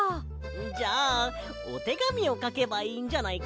じゃあおてがみをかけばいいんじゃないか？